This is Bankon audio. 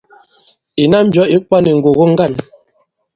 Ìnà mbyɔ ì kwany ì ŋgògo ŋgân.